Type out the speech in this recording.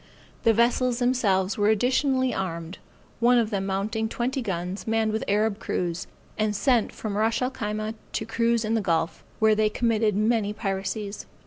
The vessels themselves were additionally armed, one of them mounting twenty guns, manned with Arab crews, and sent from Ras el Khyma to cruise in the gulf, where they committed many piracies.